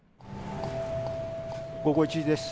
午後１時です。